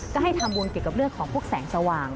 ก็ให้ทำบุญเกี่ยวกับเรื่องของพวกแสงสว่าง